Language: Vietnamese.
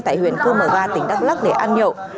tại huyện cư mở va tỉnh đắk lắc để ăn nhậu